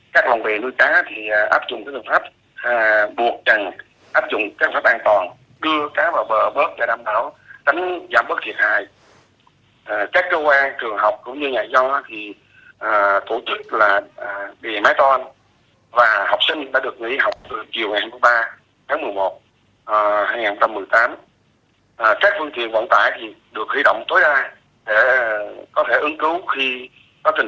các lòng bề nuôi cá thì áp dụng các pháp buộc cần áp dụng các pháp an toàn